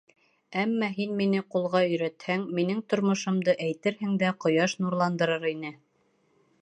Әммә һин мине ҡулға өйрәтһәң, минең тормошомдо, әйтерһең дә, ҡояш нурландырыр ине.